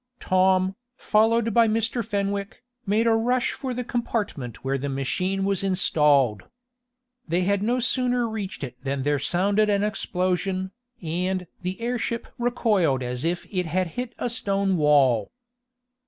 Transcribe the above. Tom, followed by Mr. Fenwick, made a rush for the compartment where the machine was installed. They had no sooner reached it than there sounded an explosion, and the airship recoiled as if it had hit a stone wall.